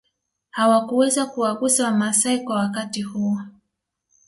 Hawakuweza kuwagusa wamasai kwa wakati huo